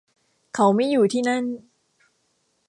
เขาไม่อยู่ที่นั่น